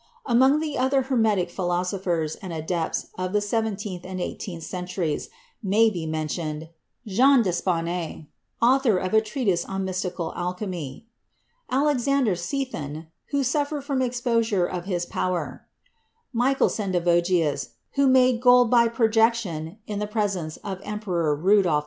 Among the other hermetic philosophers and adepts of the seventeenth and eighteenth centuries, may be men tioned: Jean d'Espagnet, author of a treatise on mystical alchemy; Alexander Sethon, who suffered from exposure of his "power"; Michael Sendivogius, who made gold by projection in the presence of Emperor Rudolph II.